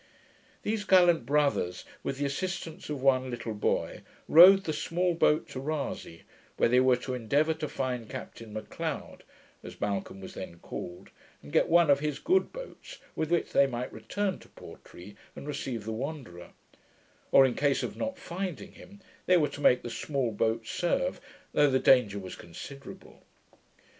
These gallant brothers, with the assistance of one little boy, rowed the small boat to Rasay, where they were to endeavour to find Captain M'Leod, as Malcolm was then called, and get one of his good boats, with which they might return to Portree, and receive the Wanderer; or, in case of not finding him, they were to make the small boat serve, though the danger was considerable.